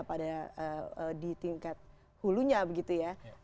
pada di tingkat hulunya begitu ya